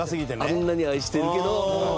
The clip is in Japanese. あんなに愛してるけどもう。